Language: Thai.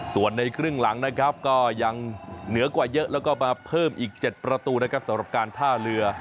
ส่วนในครึ่งหลังนะครับก็ยังเหนือกว่าเยอะแล้วก็มาเพิ่มอีก๗ประตูนะครับสำหรับการท่าเรือ